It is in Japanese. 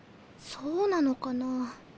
そうなのかな。